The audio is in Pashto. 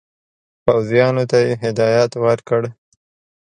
پوځیانو ته یې هدایت ورکړ.